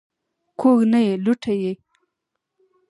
کوږ نه یې لوټه یې.